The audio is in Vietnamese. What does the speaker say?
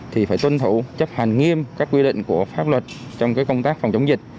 thì phải tuân thủ chấp hành nghiêm các quy định của pháp luật trong công tác phòng chống dịch